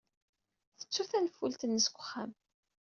Tettu tanfult-nnes deg uxxam.